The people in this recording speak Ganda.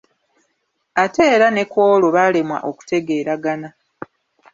Ate era ne ku olwo baalemwa okutegeeragana.